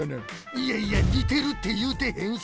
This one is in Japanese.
いやいやにてるっていうてへんし！